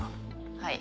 はい。